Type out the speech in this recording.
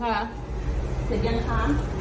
หรือยังคะ